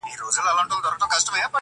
• په لښکر د مریدانو کي روان وو -